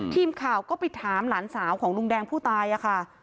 ทีมข่าวก็ไปถามหลานสาวของลุงแดงผู้ตายค่ะ